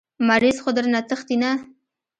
مريض خو درنه تښتي نه.